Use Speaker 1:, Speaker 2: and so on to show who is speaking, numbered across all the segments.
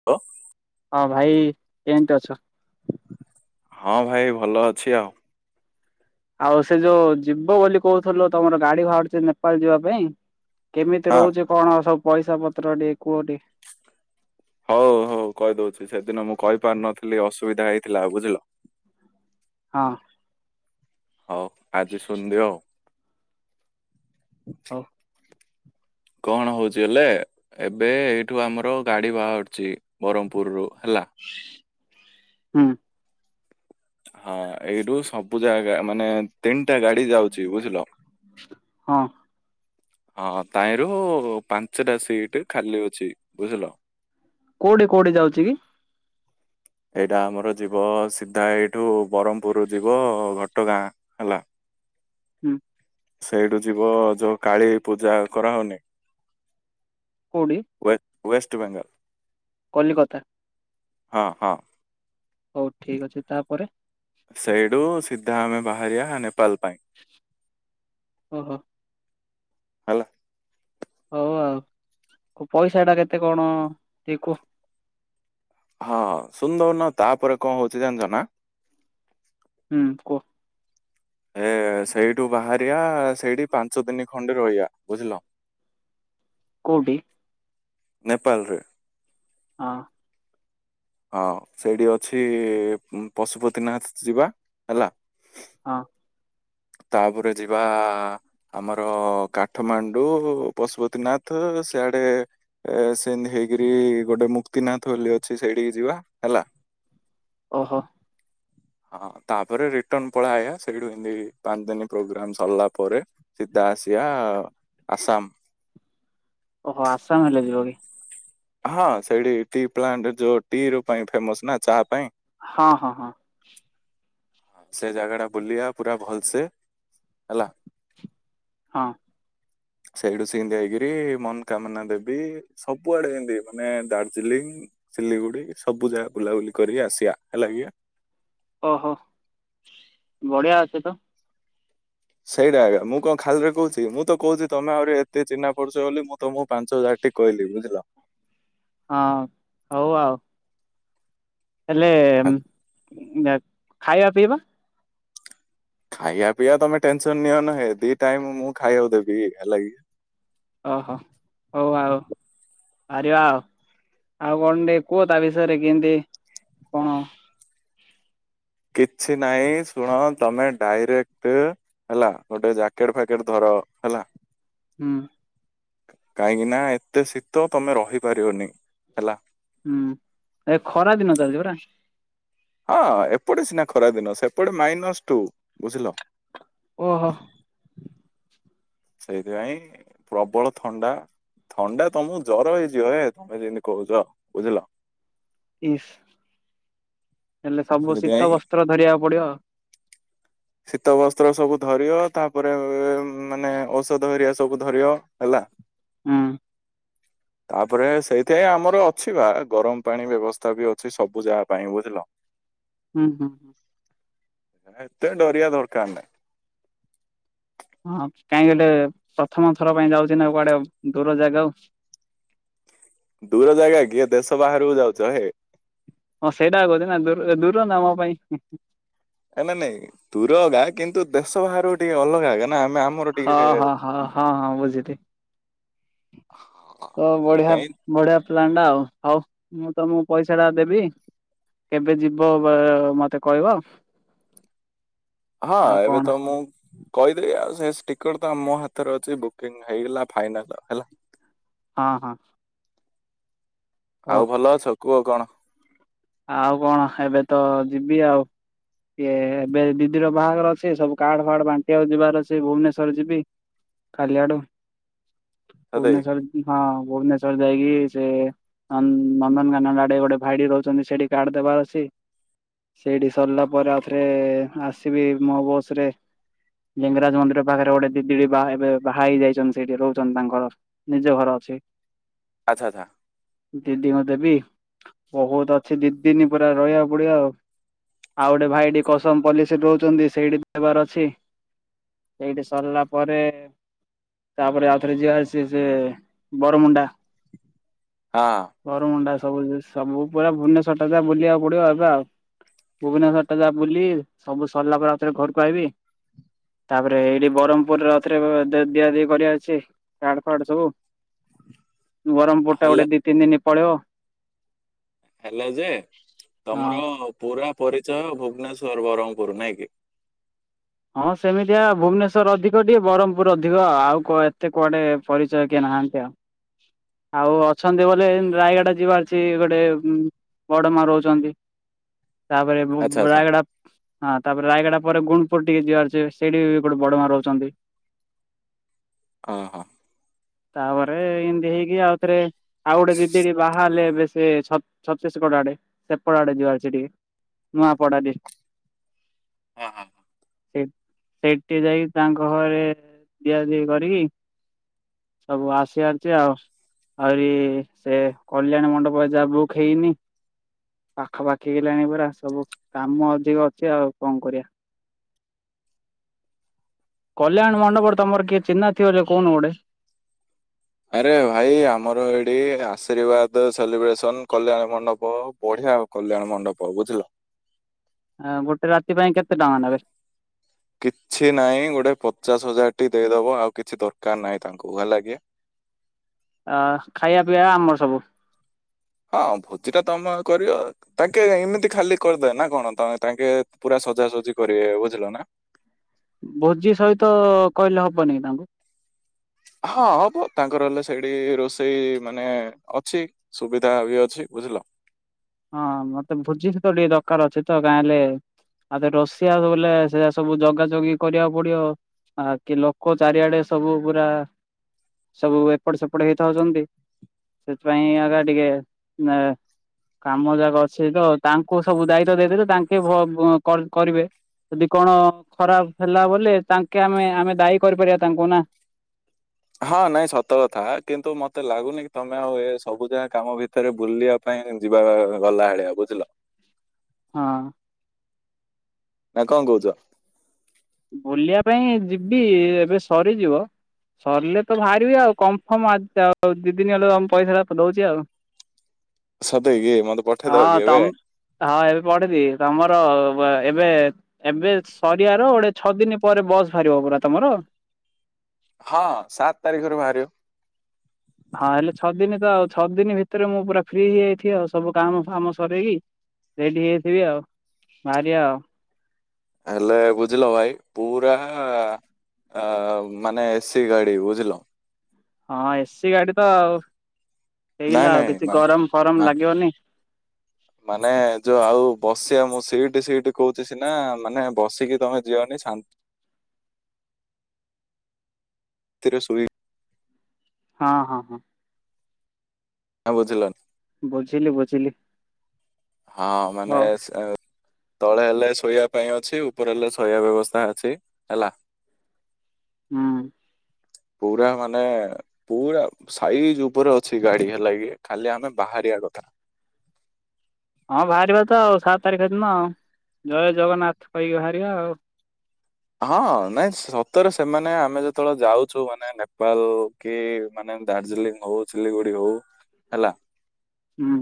Speaker 1: [unintelligible]
Speaker 2: ହଁ ଭାଇ କେମିତି ଅଛ?
Speaker 1: ହଁ ଭାଇ ଭଲ ଅଛି ଆଉ।
Speaker 2: ଆଉ ସେ ଯୋଉ ଯିବ ବୋଲି କହୁଥିଲୁ ତମର ଗାଡ଼ି ବାହାରୁଚି ନେପାଳ ଯିବାପାଇଁ। କେମିତି
Speaker 1: ହଁ
Speaker 2: ରହୁଚି କଣ ସବୁ ପଇସା ପତ୍ର ଟିକେ କୁହଟିକେ?
Speaker 1: ହଉ ହଉ କହିଦଉଛି ସେଦିନ ମୁଁ କହିପାରୁନଥିଲି ଅସୁବିଧା ହେଇଥିଲା ବୁଝିଲ।
Speaker 2: ହଁ।
Speaker 1: ହଉ ଆଜି ଶୁଣିଦିଅ ଆଉ।
Speaker 2: [inaudible]
Speaker 1: କଣ ହଉଚି ହେଲେ ଏବେ ଏଇଠୁ ଆମର ଗାଡ଼ି ବାହାରୁଚି ବ୍ରହ୍ମପୁରରୁୁ ହେଲା।
Speaker 2: ହୁଁ।
Speaker 1: ହଁ ଏଇଠୁ ସବୁ ଜାଗା ମାନେ ତିନିଟା ଗାଡ଼ି ଯାଉଚି ବୁଝିଲ।
Speaker 2: ହଁ।
Speaker 1: ହଁ ତାଏରୁ ପାଞ୍ଚଟା ସିଟ୍ ଖାଲିଅଛି ବୁଝିଲ।
Speaker 2: କୋଉଠି କୋଉଠି ଯାଉଚିକି?
Speaker 1: ଏଇଟା ଆମର ଯିବ ସିଧା ଏଇଠୁ ବ୍ରହ୍ମପୁର ଯିବ ଘଟଗାଁ ହେଲା।
Speaker 2: ହୁଁ।
Speaker 1: ସେଇଠୁ ଯିବ ଯୋଉ କାଳୀ ପୂଜା କରାହଉନି
Speaker 2: କୋଉଟି?
Speaker 1: ୱେ ୱେଷ୍ଟ୍ ବେଙ୍ଗଲ।
Speaker 2: କଲିକତା।
Speaker 1: ହଁ ହଁ।
Speaker 2: ହଉ ଠିକ୍ ଅଛି ତାପରେ?
Speaker 1: ସେଇଠୁ ସିଧା ଆମେ ବାହାରିବା ନେପାଲ୍ ପାଇଁ।
Speaker 2: ଓହୋ।
Speaker 1: ହେଲା।
Speaker 2: ହଉ ଆଉ ପଇସାଟା କେତେ କଣ ଟିକେ କୁହ?
Speaker 1: ହଁ ସୁନ୍ଦଉନ ତାପରେ କଣ ହଉଚି ଜାଣିଚନା
Speaker 2: ହୁଁ କୁଅଁ।
Speaker 1: ଏ ସେଇଠୁ ବାହାରିବା ସେଇଠି ପାଞ୍ଚ ଦିନ ଖଣ୍ଡେ ରହିବା ବୁଝିଲ। [inaudible]
Speaker 2: କୋଉଁଠି?
Speaker 1: ନେପାଳରେ।
Speaker 2: ହଁ।
Speaker 1: ହଁ ସେଇଠି ଅଛି ପଶୁପତିନାଥ ଯିବା ହେଲା।
Speaker 2: ହଁ।
Speaker 1: ତାପରେ ଯିବା ଆମର କାଠମାଣ୍ଡୁ ପଶୁପତିନାଥ ସିଆଡେ ଏ ସେମତି ହେଇକରି ଗୋଟେ ମୁକ୍ତିନାଥ ବୋଲି ଅଛି ସେଇଠିକି ଯିବା ହେଲା।
Speaker 2: ଓହୋ।
Speaker 1: ହଁ ତାପରେ ରିଟର୍ଣ ପଳାଅଇବା ସେଇଠୁ ଏମିତି ପାଞ୍ଚ ଦିନ ପ୍ରୋଗ୍ରାମ ସରିଲା ପରେ ସିଧା ଆସିବା ଆସାମ।
Speaker 2: ଓହୋ ଆସାମ ହେଲେ ଯିବ କି?
Speaker 1: ହଁ ସେଇଠି ଟି ପ୍ଲାଣ୍ଟ ଯୋଉ ଟି ର ପାଇଁ ଫେମସ ନା ଚାହା ପାଇଁ।
Speaker 2: ହଁ- ହଁ- ହଁ।
Speaker 1: ସେ ଜାଗାଟା ବୁଲିବା ପୁରା ଭଲସେ ହେଲା।
Speaker 2: ହଁ।
Speaker 1: ସେଇଠୁ ସିତି ହେଇକିରି ମନକାମନା ଦେବି ସବୁଆଡେ ଏମତି ମାନେ ଦାର୍ଜିଲିଂ ସିଲିଗୁଡି ସବୁ ଜାଗା ବୁଲାବୁଲି କରିକି ଆସିବା ହେଲା କିଏ।
Speaker 2: ଓହୋ ବଢିଆ ଅଛି ତ।
Speaker 1: ସେଇଟା ଆଜ୍ଞା ମୁ କଣ ଖାଲିରେ କହୁଛି ମୁଁ ତ କହୁଛି ତମେ ଆହୁରି ଏତେ ଚିହ୍ନା ପରିଛ ବୋଲି ମୁଁ ତମକୁ ପାଞ୍ଚ ହଜାର ଠିକ୍ କହିଲି ବୁଝିଲ।
Speaker 2: ହଁ ହଉ ଆଉ
Speaker 1: ଆଉ
Speaker 2: ହେଲେ ଖାଇବା ପିଇବା?
Speaker 1: ଖାଇବା ପିଇବା ତମେ ଟେନସନ ନିଅନା ହେ ଦି ଟାଇମ ମୁଁ ଖାଇବାକୁ ଦେବି ହେଲାକି।
Speaker 2: ଓହ ହଉ ଆଉ ବାହାରିବା ଆଉ। ଆଉ କଣ ଟିକେ କୁହ ତା ବିଷୟରେ କେନ୍ତି କଣ?
Speaker 1: କିଛି ନାଇ ଶୁଣ ତମେ ଡାଇରେକ୍ଟ ହେଲା ଗୋଟେ ଜ୍ୟାକେଟ ଫ୍ୟାକେଟ ଧର ହେଲା।
Speaker 2: ହୁଁ।
Speaker 1: କାହିଁକି ନା ଏତେ ଶୀତ ତମେ ରହିପାରିବନି ହେଲା।
Speaker 2: ହୁଁ ଏ ଖରା ଦିନ ଚାଲିଚି ପରା
Speaker 1: ହଅ ଏପଟେ ସିନା ଖରା ଦିନ ସେପଟେ ମାଇନସ୍ ଟୁ ବୁଝିଲ।
Speaker 2: ଓଃ
Speaker 1: ସେଇଥିପାଇଁ ପ୍ରବଳ ଥଣ୍ଡା। ଥଣ୍ଡା ତମକୁ ଜ୍ୱର ହେଇଯିବ ହେ ତମେ ଯେମିତି କହୁଛ ବୁଝିଲ।
Speaker 2: ଇସ୍ ହେଲେ ସବୁ ଶୀତ
Speaker 1: ସେଥିପାଇଁ
Speaker 2: ବସ୍ତ୍ର ଧରିବାକୁ ପଡିବ।
Speaker 1: ଶୀତ ବସ୍ତ୍ର ସବୁ ଧରିିବ ତାପରେ ମାନେ ଔଷଧ ହେରିକା ସବୁ ଧରିିବ ହେଲା। [inaudible]
Speaker 2: ଉଁ
Speaker 1: [inaudible] ତାପରେ ସେଇଥେ ଆମର ଅଛି ବା ଗରମ ପାଣି ବ୍ୟବସ୍ଥା ବି ଅଛି ସବୁ ଯା ପାଇଁ ବୁଝିଲ।
Speaker 2: ହୁଁ-ହୁଁ
Speaker 1: ତେଣୁ ଡରିବା ଦରକାରନାଇ।
Speaker 2: ହଁ କାହିଁକି କହିଲେ ପ୍ରଥମ ଥର ପାଇଁ ଯାଉଛି ନା କୁଆଡେ ଦୂର ଜାଗାକୁ।
Speaker 1: ଦୂର ଜାଗା କିଏ ଦେଶ ବାହାରକୁ ଯାଉଛ ହେ।
Speaker 2: ହଁ ସେଇଟା କହୁଛି ନା ଦୂର ଦୂରନା ମୋ ପାଇଁ।
Speaker 1: ନା ନା ନାଇଁ ଦୁର ଆକା କିନ୍ତୁ ଦେଶ ବାହାରୁ ଟିକେ ଅଲଗା ନା ଆମେ ଆମ
Speaker 2: ହଁ ହଁ ହଁ ହଁ ହଁ ବୁଝିଲି ତ ବଢିଆ
Speaker 1: ସେଇଥିପାଇଁ
Speaker 2: ବଢିଆ ପ୍ଲାନ୍ ଟା ଆଉ ହଉ ମୁଁ ତମକୁ ପଇସା ଟା ଦେବି କେବେ ଯିବ ବ ମତେ କହିବ।
Speaker 1: ହଁ
Speaker 2: ଆଉ
Speaker 1: ଏବେ
Speaker 2: କଣ
Speaker 1: ତ ମୁଁ। କହିଦେବି ଆଉ ସେ ଷ୍ଟିକଟ୍ ତ ଆମ ହାତରେ ଅଛି ବୁକିଂ ହେଇଗଲା ଫାଇନାଲ୍ ହେଲା।
Speaker 2: ହଁ-ହଁ।
Speaker 1: ଆଉ ଭଲ ଅଛ କୁହ କଣ।
Speaker 2: ଆଉ କଣ ଏବେ ତ ଯିବି ଆଉ। କି ଏବେ ଦିଦିର ବାହାଘର ଅଛି ସବୁ କାର୍ଡ ଫାର୍ଡ ବାଣ୍ଟିିବାକୁ ଯିବାର ଅଛି ଭୁବନେଶ୍ଵର ଯିବି। କାଲି ଆଡକୁ
Speaker 1: ସଦେଇ
Speaker 2: ଭୁବନେଶ୍ୱର। ହଁ ଭୁବନେଶ୍ୱର ଯାଇକି ସେ ନନ୍ଦ୍ ନନ୍ଦନକାନନ ଆଡେ ଗୋଟେ ଭାଇଟେ ରହୁ ଚନ୍ତି ସେଠି କାର୍ଡ ଦେବାର ଅଛି। ସେଇଠି ସରିଲା ପରେ ଆଉଥରେ ଆସିବି ମୋ ବସ୍ ରେ ଲିଙ୍ଗରାଜ ମନ୍ଦିର ପାଖରେ ଗୋଟେ ଦିଦି ବି ବାହା ହେବେ ବାହା ହେଇ ଯାଇଚନ୍ତି ସେଇଠି ରହୁଚନ୍ତି ତାଙ୍କଘର ନିଜ ଘର ଅଛି।
Speaker 1: ଆଚ୍ଛା-ଆଚ୍ଛା।
Speaker 2: ଦିଦିଙ୍କୁ ଦେବି ବହୁତ୍ ଅଛି ଦିଦିନି ପୁରା ରହିବାକୁ ପଡିବ ଆଉ। ଆଉ ଗୋଟେ ଭାଇଟି କସମ୍ ପଲିସିରେ ଦଉଚନ୍ତି ସେଇଠି ଦେବାର ଅଛି। ଏଇଠି ସରିଲା ପରେ ତାପରେ ଆଉଥରେ ଯିଏ ଆସିଚି ସେ ବରମୁଣ୍ଡା।
Speaker 1: ହଁ।
Speaker 2: ବରମୁଣ୍ଡା ସବୁ-ସବୁ ପୁରା ଭୁବନେଶ୍ୱଵର ଟା ଯା ବୁଲିବାକୁ ପଡିବ ଏଵେ ଆଉ। ଭୁବନେଶ୍ୱର ଟା ଯା ବୁଲି ସବୁ ସରିଲା ପରେ ଆଉଥରେ ଘରକୁ ଆଇିବି ତାପରେ ଏଇଠି ବ୍ରହ୍ମପୁରରେ ଆଉଥରେ ଦିଆ ଦି କରିବାର ଅଛି। କାର୍ଡ ଫାର୍ଡ ସବୁ ବର୍ହ୍ମପୁର୍ ଟା
Speaker 1: ହେଲେ
Speaker 2: ଗୋଟେ ଦି ତିନି ଦିନ ପଳେଇବ।
Speaker 1: ହେଲା ଯେ
Speaker 2: ହଁ
Speaker 1: ତମର ପୁରା ପରିଚୟ ଭୁବନେଶ୍ଵର ବରମପୁର ନାଇଁ କି।
Speaker 2: ହଁ ସେମିତିଆ ଭୁବନେଶ୍ୱର ଅଧିକ ଟିକଏ ବ୍ରହ୍ମପୁର ଅିକ ଆଉ ଏତେ କୁଆଡ଼େ ପରିଚୟ କିଏ ନାହାନ୍ତି ଆଉ।
Speaker 1: [inaudible]
Speaker 2: ଆଉ ଅଛନ୍ତି ବୋଲ ରାୟଗଡ଼ା ଯିବାର ଅଛି ଗୋଟେ ବଡ ମା ରହୁଚନ୍ତି। ତାପରେ
Speaker 1: ଆଚ୍ଛା ଆଚ୍ଛା
Speaker 2: ରାୟଗଡା ହଁ ତାପରେ ରାୟଗଡା ପରେ ଗୁ [unintelligible] ଟିକେ ଯିବାର ଅଛି ସେଇଠି ବି ଗୋଟେ ବଡ ମା ରହୁଚନ୍ତି।
Speaker 1: ଅ ହଁ।
Speaker 2: ତାପରେ ଏନ୍ତି ହେଇକି ଆଉଥରେ ଆଉ ଗୋଟେ ଦିଦିଟି ବାହା ହେଲେ ଏବେ ସେ ଛତିଶଗଡ ଆଡେ ସେପଟ ଆଡେ ଯିବାର ଅଛି ଟିକେ। ନୂଆପଡ଼ା ଡିଷ୍ଟି।
Speaker 1: ହଁ-ହଁ।
Speaker 2: ସେ ସେଠି ଯାଇକି ତାଙ୍କ ଘରେ ଦିଆ ଦି କରିକି ସବୁ ଆସିଅଛି ଆଉ। ଆହୁରି ସେ କଲ୍ୟାଣ ମଣ୍ଡପ ଏ ଯାହା ବୁକ୍ ହେଇନି ପାଖାପାଖି ହେଲାଣି ପରା ସବୁ କାମ ଅଧିକ ଅଛି ଆଉ କଣ କରିବା। କଲ୍ୟାଣ ମଣ୍ଡପରେ ତମର କିଏ ଚିହ୍ନଥିବ [unintelligible] କହୁନୁ ଗୋଟେ।
Speaker 1: ଆରେ ଭାଇ ଆମର ଏଇଠି ଆଶୀର୍ବାଦ, ସେଲିବ୍ରେସନ, କଲ୍ୟାଣ ମଣ୍ଡପ ବଢିଆ କଲ୍ୟାଣ ମଣ୍ଡପ ବୁଝିଲ।
Speaker 2: ଆ ଗୋଟେ ରାତି ପାଇଁ କେତେ ଟଙ୍କା ନେବେ?
Speaker 1: କିଛି ନାହିଁ ଗୋଟେ ପଚାଶ ହଜାର ଟି ଦେଇଦବ ଆଉ କିଛି ଦରକାର ନାହିଁ ତାଙ୍କୁ ହେଲା କି।
Speaker 2: ଅ ଖାଇବା ପିଇବା ଆମର ସବୁ।
Speaker 1: ହଁ ଭୋଜି ଟା ତମେ ଆଉ କରିବ। ତାଙ୍କେ ଏମିତି ଖାଲି କରିଦେବେ ନା କଣ ତାଙ୍କେ ପୁରା ସଜାସଜି କରିବେ ବୁଝିଲ ନା।
Speaker 2: ଭୋଜି ସହିତ କହିଲେ ହବନି ତାଙ୍କୁ?
Speaker 1: ହଁ ହବ ତାଙ୍କର ହେଲେ ସେଇଠି ରୋଷେଇ ମାନେ ଅଛି। ସୁବିଧା ବି ଅଛି ବୁଝିଲ।
Speaker 2: ହଁ ହଁ ମତେ ଭୋଜି ସେତେବେଳେ ଟିକେ ଦରକାର ଅଛି ତ ଗାଁ ହେଲେ ଆଉଥରେ ରଷିଆକୁ ବଲେ ସେଟା ସବୁ ଜଗା ଜଗି କରିବାକୁ ପଡିବ। ଆ କି ଲୋକ ଚାରିଆଡେ ସବୁ ପୁରା ସବୁ ଏପଟ ସେପଟ ହେଇଥାଉଚନ୍ତି। ସେଥିପାଇଁ ଆକା ଟିକେ ଏ କାମ ଯାକ ଅଛି ତ। ତାଙ୍କୁ ସବୁ ଦାୟିତ୍ଵ ଦେଇଦେଲେ ତାଙ୍କେ ଭ ଭ କରିବେ ଆଉ। ଯଦି କଣ ଖରାପ ହେଲା ବୋଲେ ତାଙ୍କେ ଆମେ ଆମେ ଦାୟୀ କରିପାରିବା ତାଙ୍କୁ ନା।
Speaker 1: ହଁ ନାଇଁ ସତ କଥା କିନ୍ତୁ ମତେ ଲାଗୁନି କି ତମେ ଆଉ ଏ ସବୁ ଯାକ କାମ ଭିତରେ ବୁଲିବା ପାଇଁ ଯିବା ଗଲା ଭଳିଆ ବୁଝିଲ।
Speaker 2: ହଁ।
Speaker 1: ନା କଣ କହୁଚ?
Speaker 2: ବୁଲିବା ପାଇଁ ଯିବି ଏବେ ସରିଯିବ। ସରିଲେ ତ ବାହାରିବେ ଆଉ କନଫର୍ମ ଆ ଆଉ ଦୁଇ ଦିନ ହେଲେ ପଇସାଟା ତ ଦଉଚି ଆଉ।
Speaker 1: ସତେକି ମତେ ପଠେଇ ଦବକି
Speaker 2: ହଁ
Speaker 1: ଏବେ?
Speaker 2: ତମ ହଁ ଏବେ ପଠେଇ ଦେବି। ତମର ଏବେ ଏବେ ସରିଆ ର ଗୋଟେ ଛଅ ଦିନ ପରେ ବାହାରିବ ପରା ତମର?
Speaker 1: ହଁ ସାତ ତାରିଖରୁ ବାହାରିବ।
Speaker 2: ହଁ ହେଲେ ଛଅ ଦିନ ତ ଛଅ ଦିନ ଭିତରେ ମୁଁ ପୁରା ଫ୍ରି ହେଇଯାଇଥିବି ଆଉ। ସବୁ କାମ ଫାମ ସରାଇକି ରେଡି ହେଇଯାଇଥିବି ଆଉ ବାହାରିବା ଆଉ।
Speaker 1: ହେଲେ ବୁଝିଲ ଭାଇ ପୁରା ଅ ମାନେ ଏ ସିି ଗାଡି ବୁଝିଲ।
Speaker 2: ହଁ, ଏସିି ଗାଡି ତ ଆଉ
Speaker 1: ନାଇଁ
Speaker 2: ହେଇଗଲା ଆଉ
Speaker 1: ନାଇଁ
Speaker 2: କିଛି
Speaker 1: ମା
Speaker 2: ଗରମ ଫରମ
Speaker 1: ମା
Speaker 2: ଲାଗିବନି।
Speaker 1: ମାନେ ଯୋଉ ଆଉ ବସିଆ ମୁଁ ସିଟ ସିଟ କହୁଚି ସିନା ମାନେ ବସିକି ତମେ ଯିଅନି ଶାନ୍ତି ନ୍ତି ରେ ଶୋଇକି
Speaker 2: ହଁ, ହଁ ହଁ।
Speaker 1: ନା ବୁଝିଲନି?
Speaker 2: ବୁଝିଲି, ବୁଝିଲି।
Speaker 1: ହଁ ମାନେ
Speaker 2: ହଉ
Speaker 1: ସେ ତଳେ ହେଲେ ଶୋଇବା ପାଇଁ ଅଛି, ଉପର ହେଲେ ଶୋଇବା ବ୍ୟବସ୍ଥା ଅଛି ହେଲା।
Speaker 2: ହୁଁ।
Speaker 1: ପୁରା ମାନେ ପୁରା ସାଇଜ ଉପରେ ଅଛି ଗାଡି ହେଲା କି? ଖାଲି ଆମେ ବାହାରିବା କଥା।
Speaker 2: ହଁ ବାହାରିବା ତ ଆଉ ସାତ ତାରିଖ ଦିନ ଆଉ। ଜୟ ଜଗନ୍ନାଥ କହିକି ବାହାରିବା ଆଉ।
Speaker 1: ହଁ। ନାଇଁ, ସତରେ ସେମାନେ ଆମେ ଯେତେବେଳେ ଯାଉଚୁ ମାନେ ନେପାଲ କି ମାନେ ଦାର୍ଜିଲିଂ ହଉ ସିଲିଗୁଡି ହଉ ହେଲା।
Speaker 2: ହୁଁ।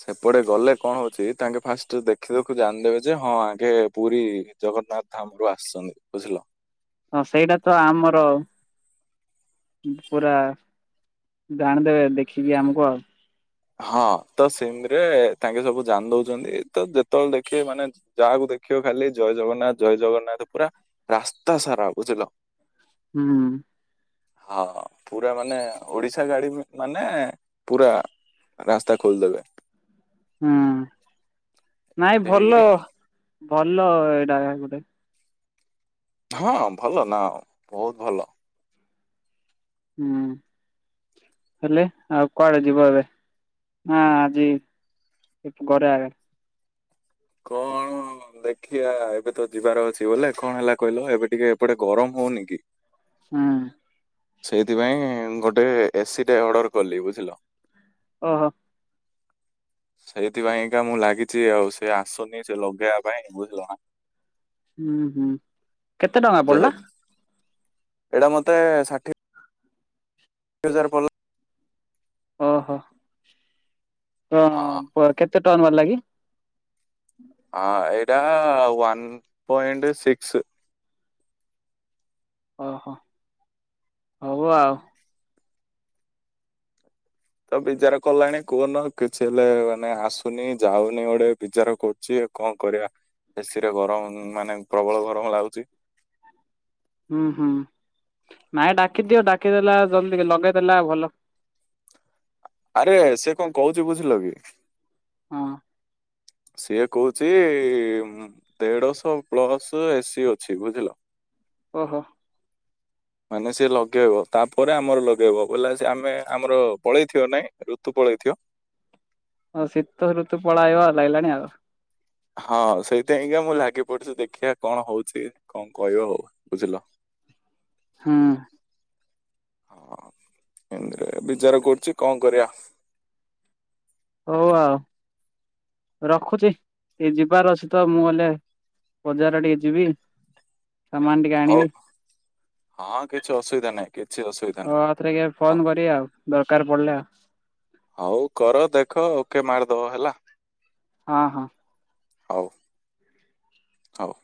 Speaker 1: ସେପଟେ ଗଲେ କଣ ହଉଚି ତାଙ୍କେ ଫାଷ୍ଟରେ ଦେଖ ଦେଖୁ ଦେଖୁ ଜାଣିଦେବେ ଯେ ହଁ ଆଙ୍କେ ପୁରୀ ଜଗନ୍ନାଥ ଧାମରୁୁ ଆସିଚନ୍ତି ବୁଝିଲ।
Speaker 2: ହଁ ସେଇଟା ତ ଆମର ପୁରା ଜାଣିଦେବେ ଦେଖିକି ଆମକୁ ଆଉ।
Speaker 1: ହଁ ତ ସିନ୍ତରେ ତାଙ୍କେ ସବୁ ଜାଣି ଦଉଚନ୍ତି ତ ଯେତେବେଳେ ଦେଖିବେ ମାନେ ଯାହାକୁ ଦେଖିବ ଖାଲି ଜୟ ଜଗନ୍ନାଥ ଜୟ ଜଗନ୍ନାଥ ପୁରା ରାସ୍ତା ସାରା ବୁଝିଲ।
Speaker 2: ହୁଁ।
Speaker 1: ହଁ ପୁରା ମାନେ ଓଡିଶା ଗାଡି ମାନେ ପୁରା। ରାସ୍ତା ଖୋଲିଦେବେ।
Speaker 2: ହୁଁ। ନାଇଁ
Speaker 1: ଏମିତି ହେଇକିରି
Speaker 2: ଭଲ, [inaudible] ଭଲ ଏଇଟା ଗୁଟେ।
Speaker 1: ହଁ ଭଲ ନା ଆଉ। [inaudible] ବହୁତ ଭଲ।
Speaker 2: ହୁଁ। ହେଲେ ଆଉ କୁଆଡ଼େ ଯିବ ଏବେ? [inaudible] ହଁ, ଆଜି ଖରାରେ।
Speaker 1: କଣ? ଦେଖଆ ଏବେ ତ ଯିବାର ଅଛି ବଲେ କଣ ହେଲା କହିଲ ଏବେ ଟିକେ ଏପଟେ ଗରମ ହଉନି କି?
Speaker 2: ହୁଁ।
Speaker 1: ସେଇଥିପାଇଁ ଗୋଟେ ଏସିି ଟେ ଅର୍ଡର କଲି ବୁଝିଲ।
Speaker 2: ଓହୋ।
Speaker 1: ସେଇଥିପାଇଁ ଏକା ମୁଁ ଲାଗିଛି ଆଉ। ସେ ଆସୁନି ସେ ଲଗେଇବା ପାଇଁ ବୁଝିଲ ନା।
Speaker 2: ହୁଁ। ହୁଁ। କେତେ ଟଙ୍କା ପଡିଲା?
Speaker 1: ଯେହେତୁ ଏଇଟା ମତେ ଷାଠିଏ ଷାଠିଏ ହଜାର ପଡିଲା
Speaker 2: ଓହୋ। [inaudible] ତ
Speaker 1: ହଁ
Speaker 2: ପର କେତେ ଟନ ବାହାର୍ଲା କି?
Speaker 1: ହଁ ଏଇଟା ୱନ୍ ପଏଣ୍ଟ ସିକ୍ସ।
Speaker 2: ଓହୋ ହଉ ଆଉ।
Speaker 1: ତ ବିଚାର କଲାଣି କୁହନ କିଛି ହେଲେ ମାନେ ଆସୁନି ଯାଉନି ଗୋଟେ ବିଚାର କରୁଛି। କଣ କରିବା [inaudible] ଏସିରେ ଗରମ ମାନେ ପ୍ରବଳ ଗରମ ଲାଗୁଛି।
Speaker 2: ହୁଁ। ହୁଁ। [inaudible] ନାଇଁ ଡାକିଦିଅ ଡାକିଦେଲା ଜଲ୍ଦି ଲଗେଇଦେଲା ଭଲ।
Speaker 1: ଆରେ ସେ କଣ କହୁଛି ବୁଝିଲ କି?
Speaker 2: ହଁ।
Speaker 1: ସିଏ କହୁଛି ମୁଁ ଦେଢଶହ ପ୍ଲସ ଏସିି ଅଛି ବୁଝିଲ।
Speaker 2: ଓହୋ।
Speaker 1: ମାନେ ସେ ଲଗେଇବ ତାପରେ ଆମର ଲଗେଇବ ବୋଲେ ସେ ଆମେ ଆମର ପଳେଇଥିବା ନାଇ? ଋତୁ ପଳାଇଥିବ।
Speaker 2: ହଁ। ଶୀତ ଋତୁ ପଳାଇବ ଲାଗିଲାଣି ଆଉ।
Speaker 1: ହଁ ସେଇଥିପାଇଁକା ମୁଁ ଲାଗି ପଡିଛି ଦେଖିବା କଣ ହଉଛି? କଣ କହିବ, ହଉ ବୁଝିଲ।
Speaker 2: ହୁଁ।
Speaker 1: ହଁ। ହୁଁ। ବିଚାର କରୁଛି କଣ କରିବା?
Speaker 2: ହଉ ଆଉ [inaudible] ରଖୁଛି। [inaudible] ଟିକେ ଯିବାର ଅଛି ତ, ମୁଁ ଗଲେ ବଜାର ଟିକେ ଯିବି। [inaudible] ସାମାନ ଟିକେ ଆଣିବି।
Speaker 1: ହଁ। ହଁ କିଛି ଅସୁବିଧା ନାହିଁ। କିଛି ଅସୁବିଧା
Speaker 2: ଆଉ
Speaker 1: ନାହିଁ।
Speaker 2: ଆଉଥରେ
Speaker 1: [inaudible] ହଁ
Speaker 2: ଫୋନ କରିବି ଆଉ ଦରକାର ପଡିଲେ ଆଉ
Speaker 1: ହଉ କର ଦେଖ ଓକେ ମାରିଦବ ହେଲା।
Speaker 2: ହଁ। ହଁ।
Speaker 1: ହଉ [inaudible] ହଉ।